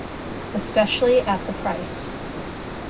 Especially at the price.